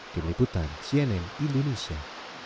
dini putan cnn indonesia